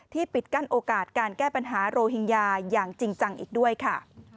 ปิดกั้นโอกาสการแก้ปัญหาโรหิงญาอย่างจริงจังอีกด้วยค่ะ